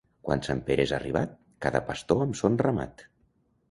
Quan Sant Pere és arribat, cada pastor amb son ramat.